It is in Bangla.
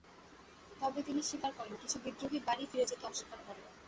তবে তিনি স্বীকার করেন, কিছু বিদ্রোহী বাড়ি ফিরে যেতে অস্বীকার করে।